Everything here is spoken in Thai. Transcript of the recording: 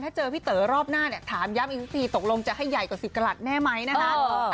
ถ้าเจอพี่เต๋อรอบหน้าเนี่ยถามย้ำอีกทีตกลงจะให้ใหญ่กว่า๑๐กระหลัดแน่ไหมนะคะ